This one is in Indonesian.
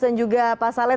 dan juga pak saleh